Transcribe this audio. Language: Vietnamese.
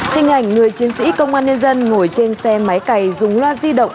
hình ảnh người chiến sĩ công an nhân dân ngồi trên xe máy cày dùng loa di động